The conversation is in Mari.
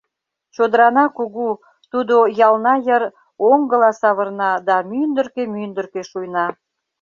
Чодырана кугу: тудо ялна йыр оҥгыла савырна да мӱндыркӧ-мӱндыркӧ шуйна.